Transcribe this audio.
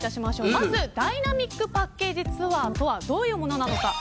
まず、ダイナミックパッケージツアーとはどういうものなのか。